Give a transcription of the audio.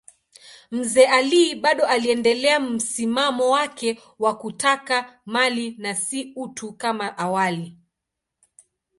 Mzee Ali bado aliendelea msimamo wake wa kutaka mali na si utu kama awali.